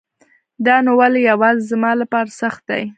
دا نو ولی يواځي زما لپاره سخت دی